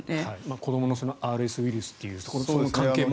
子どものＲＳウイルスというそこの関係も。